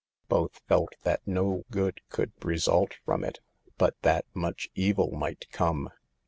Both felt that no good could result from it, but that much evil might come.